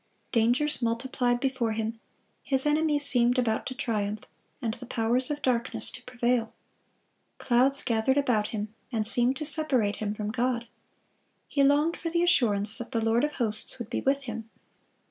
Dangers multiplied before him; his enemies seemed about to triumph, and the powers of darkness to prevail. Clouds gathered about him, and seemed to separate him from God. He longed for the assurance that the Lord of hosts would be with him.